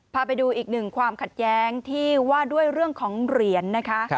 พาไปดูอีกหนึ่งความขัดแย้งที่ว่าด้วยเรื่องของเหรียญนะคะ